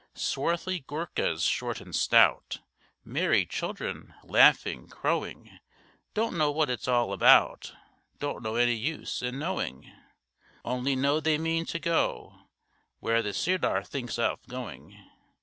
Swarthy Goorkhas, short and stout, Merry children, laughing, crowing, Don't know what it's all about, Don't know any use in knowing; Only know they mean to go Where the Sirdar thinks of going.